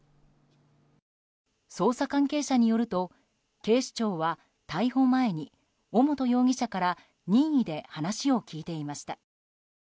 捜査関係者によると警視庁は逮捕前に尾本容疑者から任意で話を聞いていました。